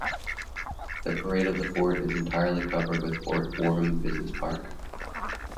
The parade of the fort is entirely covered with Fort Fareham Business Park.